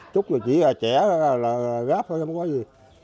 chút rồi chỉ trẻ là gáp thôi không có gì